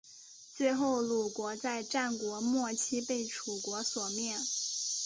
最后鲁国在战国末期被楚国所灭。